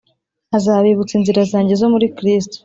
Azabibutsa inzira zanjye zo muri Kristo